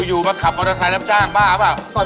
อยู่มาขับมอเตอร์ไซค์รับจ้างบ้าเปล่า